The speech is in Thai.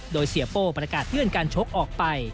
โดยเสียโป้ประกาศเลื่อนการชกออกไป